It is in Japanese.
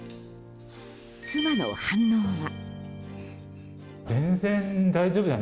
妻の反応は？